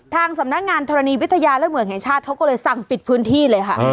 ทางสำนักงานธรณีวิทยาและเมืองแห่งชาติเขาก็เลยสั่งปิดพื้นที่เลยค่ะ